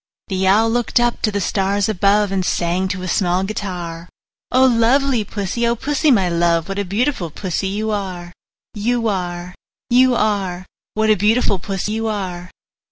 The Owl looked up to the stars above, And sang to a small guitar, "O lovely Pussy, O Pussy, my love, What a beautiful Pussy you are, You are, You are! What a beautiful Pussy you are!"